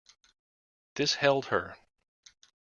This held her.